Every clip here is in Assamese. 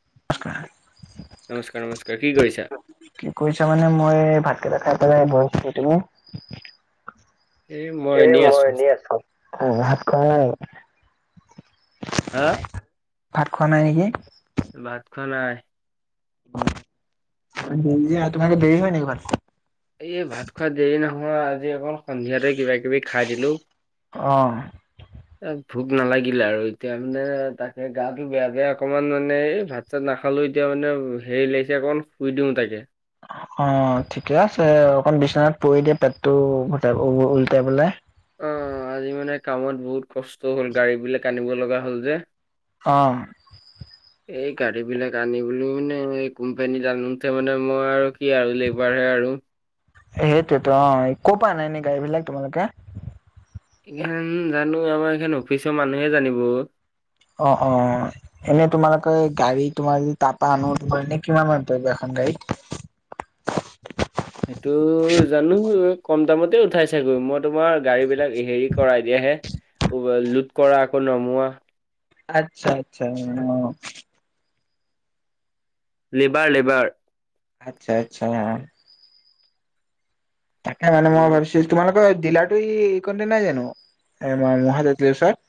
[unintelligible] নমস্কাৰ নমস্কাৰ কি কৰিছা? কি কৰিছা মানে মই ভাতকেইটা খাই পেলাই বহিছোহি। তুমি? এই মই এনেই আছো। ভাত খোৱা নাই? হা? ভাত খোৱা নাই নেকি? ভাত খোৱা নাই। তোমালোকৰ দেৰি হয় নেকি ভাত খোৱা? এই ভাত খোৱা দেৰি নহয়, আজি অকল সন্ধিয়াতে কিবা কিবি খাই দিলো। অ'। ভোক নালাগিলে আৰু এতিয়া মানে তাকে গাটো বেয়াকে অকনমান মানে এই ভাত নাখালোঁ এতিয়া মানে হেৰি লাগিছে অকণ শুই দিওঁ তাকে। অ', ঠিকে আছে অকন বিচনাত পৰি দিয়া পেটটো উভতাই উলটাই পেলাই। অ', আজি মানে কামত বহুত কষ্ট হ'ল গাড়ী বিলাক আনিব লগা হ'ল যে। অ'। এই গাড়ী বিলাক আনিবলৈ মানে এই কোম্পানীত আনোতে মানে মই আৰু কি আৰু লেবাৰহে আৰু। সেইটোৱেতো অ', ক'ৰ পৰা অনা এনেই গাড়ী বিলাক তোমালোকে? এইখন জানো আমাৰ এইখন অফিচৰ মানুহে জানিব অ'। অ', অ'। এনে তোমালোকৰ গাড়ী তোমাৰ যদি তাৰপা আনো তোমাৰ এনে কিমান মান পৰিব এখন গাড়ীত? সেইটো জানো কম দামতে উঠাই চাগৈ, মই তোমাৰ গাড়ী বিলাক হেৰি কৰাই দিয়াহে। লোট কৰা আকৌ নমোৱা। আচ্ছা আচ্ছা অ'। Labour labour. আচ্ছা আচ্ছা। তাকে মানে মই ভাবিছোঁ, তোমালোকৰ ডিলাৰটো এইকনতে নাই জানো মুঢ়া তেঁতেলী ওচৰত?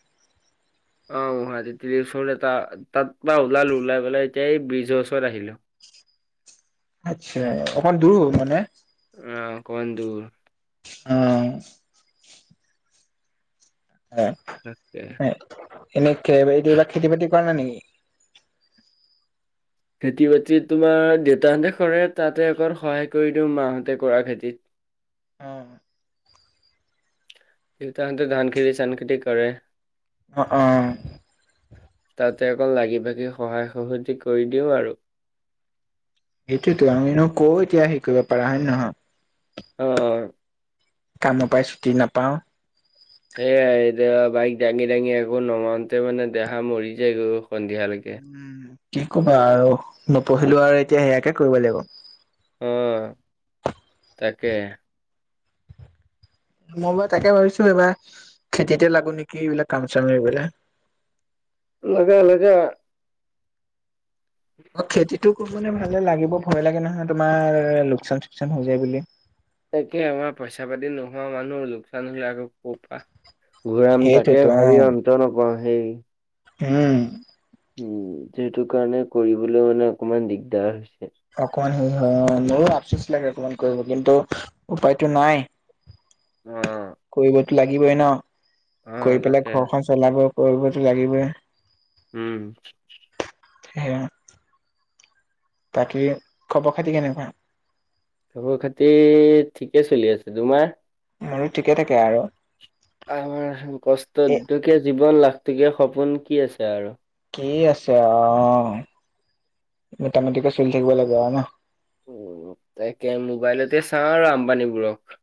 অঁ মহাদিতিৰ ওচৰত এটা তাত পৰা ওলালো ওলাই পেলাই এতিয়া এই ব্ৰিজৰ ওচৰত আহিলোঁ। আচ্ছা অকমান দূৰো মানে? অঁ অকণমান দূৰ। অঁ। এ তাকে। এনেকে হেঁতি এইবা খেতি-বাতি কৰা নাই নেকি? খেতি-বাতি তোমাৰ দেউতাহঁতে কৰে তাতে অকণ সহায় কৰি দিওঁ মাহঁতে কৰা খেতিত। অঁ দেউতাহঁতে ধান খেতি, চান খেতি কৰে‌। অঁ অঁ তাতে অকল লাগি ভাগি সহায় সহযোগ কৰি দিওঁ আৰু। সেইটোয়েটো আমিনো ক এতিয়া হেৰি কৰিব পাৰা হয়ে নহয়? অঁ কাম পাই ছুটি নাপাওঁ। সেয়াই এতিয়া বাইক দাঙি দাঙি আকৌ নমাওঁতে মানে দেহা মৰি যায় গৈ সন্ধিয়ালেকে। উম কি কবা আৰু নপঢ়িলো আৰু এতিয়া এয়াকে কৰিব লাগিব। অঁ তাকে। মই বাৰু তাকে ভাবিছোঁ এইবাৰ খেতিতে লাগো নেকি এইবিলাক কাম চাম এৰি পেলাই। লাগে লাগে। অঁ খেতিটো কৰো মানে ভালে লাগিব ভয় লাগে নহয় তোমাৰ লোকচান চোকচান হৈ যায় বুলি। তাকে আমাৰ পইচা পাতি নোহোৱা মানুহ লোকচান হ'লে আকৌ ক' পা ঘূৰাম তাকে সেইটোৱেতো অ ভাবি অন্ত নাপাও সেই উম। উম সেইটো কাৰণে কৰিবলও মানে অকমান দিগদাৰ হৈছে। অকমান সেই হয় অঁ, মোৰো আপচোচ লাগে অকমান কৰিব কিন্তু উপায়টো নাই। অ', কৰিবতো লাগিবই ন'? অ', কৰি পেলাই তাকে ঘৰখন চলাব কৰিবতো লাগিবই। উম। এয়া বাকী খবৰ খাতি কেনেকুৱা? খবৰ - খাতি ঠিকে চলি আছে তোমাৰ? মোৰো ঠিকে থাকে আৰু। আমাৰ কষ্টোত এ দু টকীয়া জীৱন লাখটকীয়া সপোন কি আছে আৰু কি আছে আও অঁ মোটামুটিকে চলি থাকিব লাগে আৰু ন'হ? উম, তাকে মোবাইলতে চাওঁ আৰু আম্বানীবোৰক।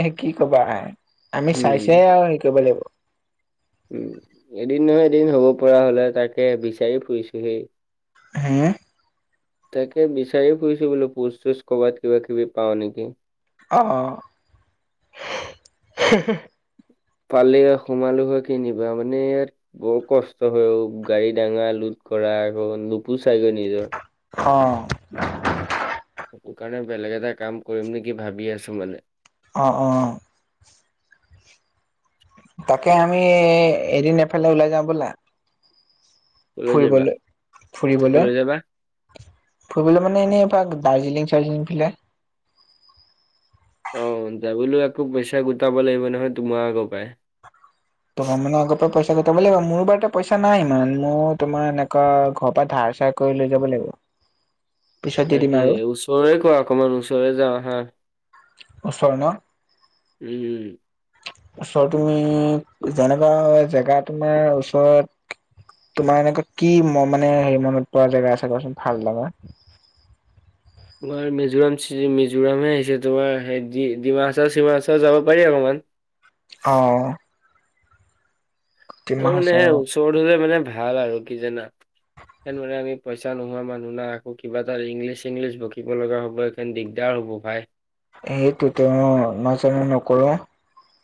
এ কি কবা আমি চাই‌ চাই উম, আৰু হেৰি কৰিব লাগিব। উম, এদিন নহয় এদিন হ'ব পৰা হ'লে তাকে বিচাৰি ফুৰিছো দেই। হে! তাকে বিচাৰি ফুৰিছো বোলো পোচ চোচ ক'বাত কিবা কিবি পাওঁ নেকি। অঁ [unintelligible] পালে সোমালো গৈ কি নিবা? মানে ইয়াত বৰ কষ্ট হয় ঔ, গাড়ী ডাঙা, লোট কৰা আকৌ নোপোচাইগৈ নিজৰ অঁ সেটো কাৰণে বেলেগ এটা কাম কৰিম নেকি ভাবি আছো মানে। অঁ, অঁ। তাকে আমি, এদিন এফালে ওলাই যাওঁ ব'লা। কলৈ যাবা? ফুৰিবলৈ, ফুৰিবলৈ। কলৈ যাবা? ফুৰিবলৈ মানে এনে এপাক দাৰ্জিলিং-চাৰ্জিলিং ফালে। অ, যাবলো আকৌ পইচা গোটাব লাগিব নহয়, তোমাৰ আগৰ পাই। তোমাৰ মানে আগৰ পৰা পইচা গোটাবলৈ লাগিব, মোৰ বাৰু পইচা নাই ইমান, মোৰ তোমাৰ এনেকুৱা ঘৰ পৰা ধাৰ-চাৰ কৰি লৈ যাব লাগিব। পিছত দি দিম তাকে, আৰু ওচৰৰে কৰা অকনমান, ওচৰে যাওঁ আহা। ওচৰ ন। উম। ওচৰত তুমি, যেনেকুৱা জেগা তোমাৰ ওচৰত তোমাৰ এনেকুৱা কি মানে হেৰি মনত পোৱা জেগা আছে কোৱাচোন, ভাল লগা। তোমাৰ মিজোৰাম, চিটি, মিজোৰামহে আহিছে, তোমাৰ হেই ডিমাচা-চিমাচাও যাব পাৰি অকণমান। অ। ডিমা তোমাৰ মানে হাচাও ওচৰত হ'লে মানে ভাল আৰু, কি জানা! সেই মানে আমি পইচা নোহোৱা মানুহ ন, আকৌ কিবা এটা ইংলিছ-চিংলিছ বকিব লগা হ'ব পাৰে দিগদাৰ হ'ব ভাই। সেইটোতো অ, নাজানো নকৰো।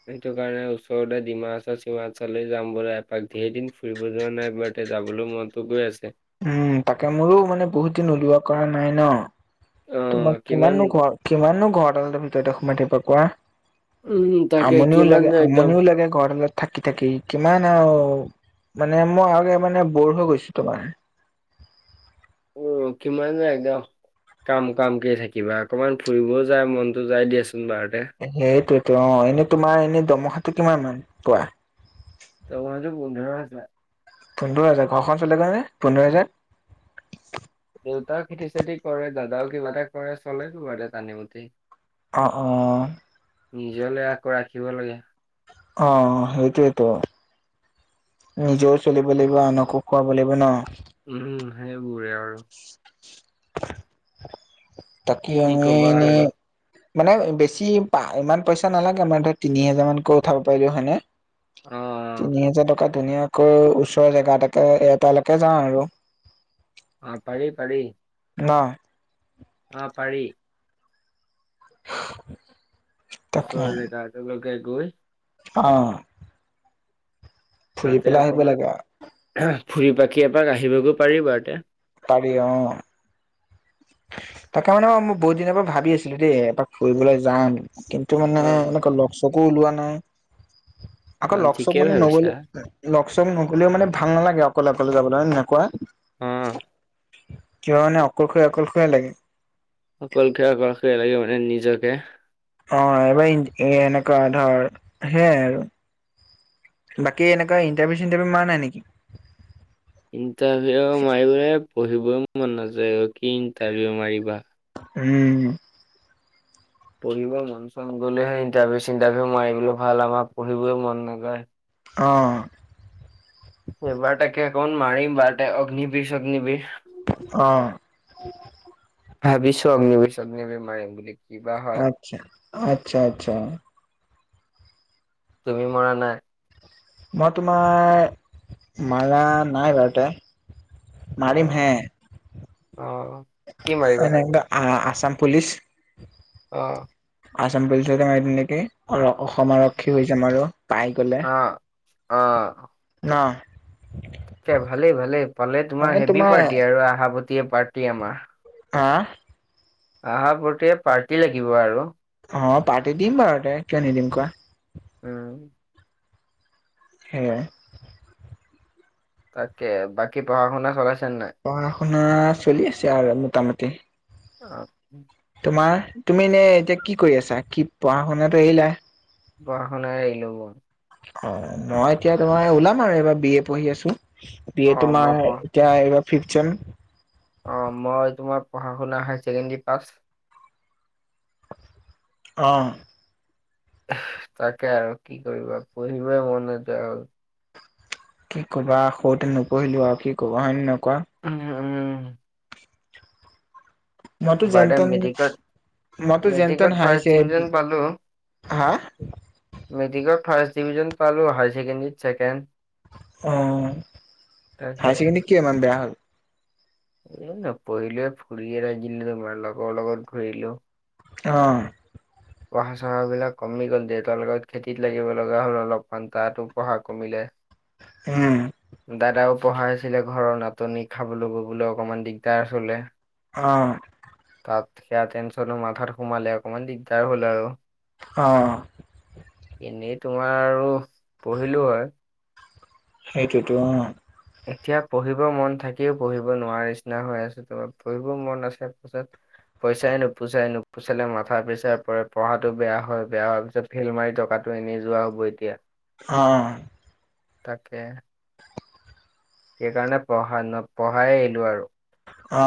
সেইটো কাৰণে ওচৰতে ডিমাহাচাও-চিমাহাচাও যাম ব'লা এপাক, ধেৰ দিন ফুৰিব যোৱা নাই। এতিয়া যাবলৈও মনতো গৈ আছে। উম, তাকে, মোৰো মানে বহুত দিন ওলোৱা কৰা নাই ন, তোমাক কিমান নো ঘৰত কিমানো ঘৰদালৰ ভিতৰতে সোমাই থাকিবা, কোৱা। উম, তাকে আমনিও কিমান লাগে, যে একদম আমনিও লাগে ঘৰ ডালত থাকি-থাকি, কিমান আৰু মানে মই আৰু মানে বৰ হৈ গৈছো তোমাৰ। উম, কিমাননো একদম কাম-কাম, কেই থাকিবা, অকনমান ফুৰিবও যায় মনতো যায় দিয়াচোন, বাৰুতে। সেইটোৱেতো অ, এনেই তোমাৰ এনে দমহাটো কিমান মান পোৱা? দৰমহাটো পোন্ধৰ হাজাৰ। পোন্ধৰ হাজাৰ! ঘৰখন চলেগৈ নে পোন্ধৰ হাজাৰত? দেউতাও খেতি-চেতি কৰে, দাদাও কিবা এটা কৰে, চলে কিবা এটা টানি-মুনি। অঁ, অঁ। নিজলে আকৌ ৰাখিব লাগে। অ, সেইটোৱেটো। নিজেও চলিব লাগিব, আনকো খুৱাব লাগিব ন! উম, সেইবোৰে আৰু। তাকে কি আৰু, এই কবা এনে আৰু মানে বেছি ইমান পইচা নালাগে, মান ধৰ তিনি হেজাৰ মানকৈ উঠাব পাৰিলেও, হয়নে! অ তিনি হাজাৰ টকাত ধুনীয়াকৈ ওচৰৰ জেগা এটাকে, এটালৈকে যাওঁ আৰু। অ, পাৰি, পাৰি। ন! অ, পাৰি। [inaudible] তাকে ওচৰৰ জেগা এটালৈকে গৈ। অ। ফুৰি তাতে পেলাই আহিব অকণমান লাগে ফুৰি-পাকি এপাক আহিবগৈ পাৰি এবাৰতে। পাৰি অ। তাকে মানে অ মই বহুত দিনৰ পৰা ভাবি আছিলো দেই এপাক ফুৰিবলৈ যাম কিন্তু সটো অ মানে এনেকুৱা লক-চকো ওলোৱা নাই, আকৌ অ লক-চক ঠিকেই মানে ভাবিছা নগলে লগ চ নহ'লেও মানে ভাল নালাগে অকলে অকলে যাবলৈ, হয় নে ন কোৱা? উম। কিবা মানে অকলশৰীয়া অকলশৰীয়া লাগে। অকল [unintelligible] লাগে মানে নিজকে অ এইবাৰ এনেকোৱা ধাৰ সে আৰু। বাকী এনেকৈ ইণ্টাৰভিউ-চিণ্টাৰভিউ কৰা নাই নেকি? ইণ্টাৰভিউ মাৰিবলৈ পঢ়িবই মন নাযায় আৰু কি ইণ্টাৰভিউ মাৰিবা। উম। পঢ়িব মন চন গ'লেহে ইণ্টাৰভিউ-চিণ্টাৰভিউ মাৰিবলৈ ভাল, আমাক পঢ়িবইও মন নযায় অ। এইবাৰ তাকে অকন মাৰি [unintelligible] অগ্নিবীৰ-চগ্নিবীৰ। অ। ভাবিছো আগ্নিবীৰ-চগ্নিবীৰ বুলি কিবা হয়। [unintelligible] আচ্ছা আচ্ছা। তুমি মৰা নাই? মই তোমাৰ মাৰা নাই বাৰুতে, অ মাৰিমহে। অ। কি মাৰিবা এনেকা আ-আছাম পুলিছ। অ। আসাম পুলিচতে মাৰিম নেকি, অসম আৰক্ষী হৈ যাম আৰু পাই গ'লে। অ অ। ন? এয়া ভালেই ভালেই পালে তোমাৰ হেভি পাৰ্টি আৰু আহাপতি পাৰ্টি আমাৰ। হা? আহা প্ৰতি পাৰ্টি লাগিব আৰু। অ পাৰ্তি দিম বাৰু তই কিয় নিদিম কোৱা। উম। সেয়ে। তাকে বাকী পঢ়া শুনা চলাইছে নাই? পঢ়া শুনা চলি আছে আৰু মোটামুটি। অ তোমাৰ তুমি এনে এতিয়া কি কৰি আছা? কি পঢ়া শুনাটো এৰিলা। পঢ়া শুনা এৰিলো মই। অ মই এতিয়া তোমাৰ ওলাম আৰু এবাৰ বি এ পঢ়ি আছো, বি অ এ মই তোমাৰ পঢ়া এতিয়া এইবাৰ ফিফ্ট ছেম। অ মই তোমাৰ পঢ়া শুনা হাই ছেকেণ্ডৰী পাছ অ। তাকে আৰু কি কৰিবা পঢ়িবই মন নাযায় হ'ল। কি ক'বা সৰুতে নপঢ়িলো আৰু কি ক'বা হয়নে নহয় কোৱা? উম উম। মইতো বাৰদে যেনতেন মেট্ৰিকত, মইতো যেনতেন মেট্ৰিকত ফাৰ্ষ্ট হাইছে ডিভিজন পালোঁ। হা মেট্ৰিকৰ ফাৰ্ষ্ট ডিভিজন পালো, হাই ছেকেণ্ডেৰীত ছেকেণ্ড, অ হাই তাকে। ছেকেণ্ডৰী কিয় ইমান বেয়া হ'ল? এই ন পঢ়িলো ফুৰিয়ে থাকিলো তোমাৰ লগৰ লগত ঘূৰিলো অঁ পঢ়া চহা বিলাক কমি গ'ল দেউতাৰ লগত খেতিত লাগিব লগা হ'ল অলপমান তাতো পঢ়া কমিলে। উম দাদাও পঢ়া নাছিলে ঘৰৰ নাটনি খাবলৈ ববলৈ অকনমান দিগদাৰ চলে। অ তাত সেয়া টেনশনো মাথাত সোমালে অকণমান দিগদাৰ হ'ল আৰু। অ। এনেই তোমাৰ আৰু পঢ়িলো হয়। সেইটোতো অ। এতিয়া পঢ়িব মন থাকিও পঢ়িব নোৱাৰা নিচিনা হৈ আছে ত পঢ়িব মন আছে পাছত। পইচাই নোপোচাই নোপোচালে মাথা পেচাৰ পৰে পঢ়াটো বেয়া হয় বেয়া হোৱাৰ পিছত ফেল মাৰি টকাটো এনেই যোৱা হ'ব এতিয়া। অ তাকে। সেইকাৰণে পঢ়া পঢ়াই আহিলোঁ আৰু। অ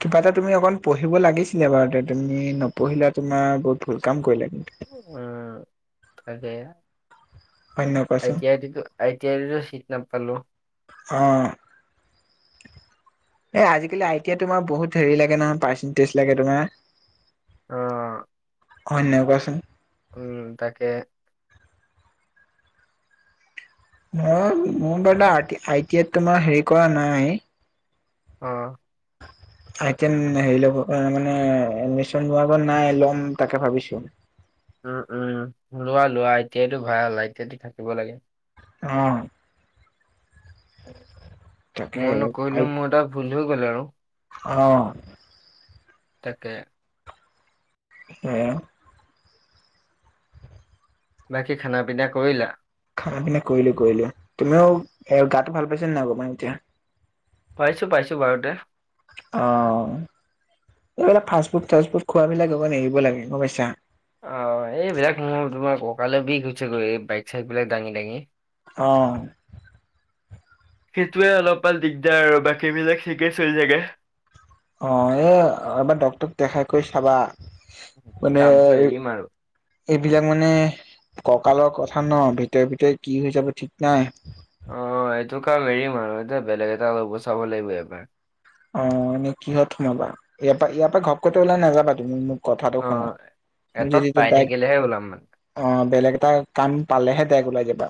কিবা এটা তুমি অকণ পঢ়িব লাগিছিলে বাৰু এ তুমি নপঢ়িলা তোমাৰ বহুত ভুল কাম কৰিলা কিন্তু। উম তাকে হয় নে নহয় আই কোৱাচোন? টি আই আই টি আইতো চিট নাপালোঁ। অ এ আজিকালি আই টি আইত তোমাৰ বহুত হেৰি লাগে নহয় পাৰ্চেণ্টেজ লাগে তোমাৰ। অ হয় ন কোৱাচোন। উম তাকে। অহ মোৰ বা আই টি আই তোমাৰ হেৰি কৰা নাই। অ আই টি আই সেই ল'ব মানে এদমিশন লোৱাৰ আগত নাই ল'ম তাকে ভাবিছোঁ। উম উম লোৱা লোৱা আই টি আইটো ভাল আই টি আইটো থাকিব লাগে। অ উম মই নকৰিলোঁ মোৰ এটা ভুল হৈ গল আৰু। অ তাকে উম বাকী খানা পিনা কৰিলা। খানা পিনা কৰিলোঁ কৰিলোঁ তুমিও এ গাতটো ভাল পাইছা নাই অলপমান এতিয়া। পাইছো পাইছো বাৰুতে। অ এইবিলাক ফাষ্ট ফুড ডাষ্ট ফুট খোৱা বিলাক অলপ এৰিব লাগে গম পাইছা। অ এইবিলাক মোৰ তোমাৰ ককালে বিষ সৈইছে গৈ এই বাইক চাইক বিলাক দাঙি দাঙি। অ সেইটোৱে অলপমান দিগদাৰ আৰু বাকীবিলাক ঠিকে চলি থাকে। অ এ আবাৰ ডক্টৰক দেখাই কৰি চাবা মানে কামটো এৰিম আৰু। এইবিলাক মানে ককালৰ কথা ন ভিতৰে ভিতৰে কি হৈ যাব ঠিক নাই। অ এইটো কাম এৰিম আৰু এতিয়া বেলেগ এটা লব চাব লাগিব এবাৰ। অ এনেই কিহত সোমাবা, ইয়াৰ পৰা ইয়াৰ পৰা ঘপকতে ওলাই নাযাবা, তুমি মোক কথাটো অ শুনা, তুমি এটাত যদি পাই তাইক থাকিলেহে ওলাম মানে। অ বেলেগ এটা কাম পালেহে দাইগ ওলাই যাবা,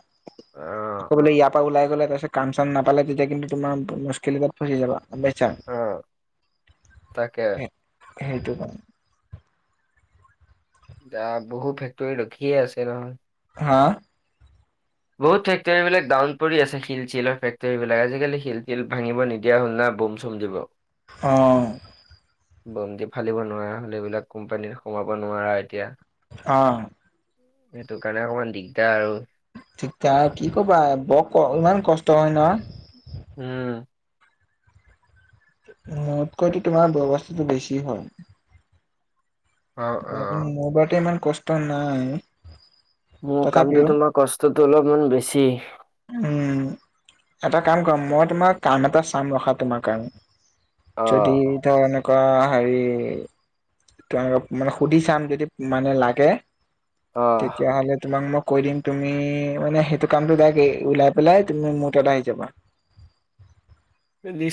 অ আকৌ বোলে ইয়াৰ পৰা ওলাই গ'লে তাৰিছত কাম চাম নাপালে তেতিয়া কিন্তু তোমাৰ মুস্কিলাত ফচি যাব গম পাইছা? অ তাকে। সেইটো ন, দ বহুত ফেক্টৰী ৰখিয়ে আছে নহয়। হা? বহুত ফেক্টৰী বিলাক ডাউন পৰি আছে শিল ছিলৰ ফেক্টৰী বিলাক আজিকালি শিল ছিল ভাঙিব নিদিয়া হল ন বোম, উম দিব। অঁ। বন্তি ফালিব নোৱাৰা হ'লে এইবিলাক কোম্পানীত সোমাব নোৱাৰা এতিয়া। অ। সেইটো কাৰণে অকণমান দিগদাৰ আৰু। ঠিকাক আৰু কি ক'বা বৰ ইমান কষ্ট হয় ন? উম। মতকৈতো তোমাৰ বৱস্থাটো বেছি হয়। অ অ। মোৰ মোৰ বাৰোতো ইমান কষ্ট নাই। মোৰ কামটো তথাপিও তোমাৰ কষ্টতো অলপমান বেছি। উম, এটা কাম কৰা মই তোমাৰ কাম এটা চাম ৰখা তোমাৰ কাৰণে। অ যদি ধৰ এনেকুৱা হেৰি, মানে সুধি চাম যদি মানে লাগে। অ। তেতিয়াাহলে তোমাক মই কৈ দিম তুমি মানে সেইটো কামটো ডাইৰেক্ট। ওলাই পেলাই তুমি মোৰ তাত আহি যাবা। দিছ